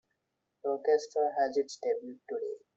The orchestra has its debut today.